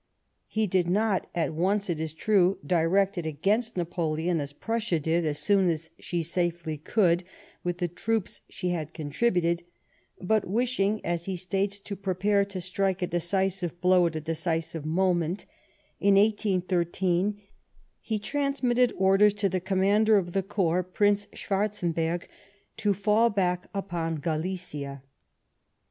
He did not at once, it is true, direct it against Napoleon, as Prussia did as soon as she safely could, with the troops she had contributed, but wishing, as he states, to prepare to strike a decisive blow at a decisive moment, in 1813, he transmitted orders to the Commander of the corps Prince Schwarzenbcrg, to fall back upon Galicia.